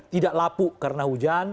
tidak lapu karena hujan